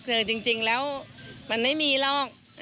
คือจริงแล้วมันไม่มีหรอก